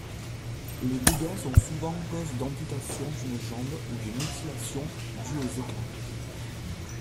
Les dégâts sont souvent cause d'amputation d'une jambe ou de mutilations dues aux éclats.